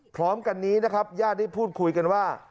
พร้อมกันนี้นะครับญาติได้พูดคุยกันว่า